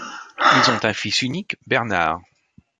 Ils ont un fils unique, Bernhard.